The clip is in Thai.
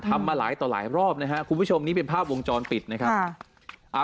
มาหลายต่อหลายรอบนะครับคุณผู้ชมนี่เป็นภาพวงจรปิดนะครับ